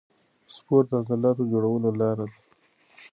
سپورت د عضلاتو جوړولو لاره ده.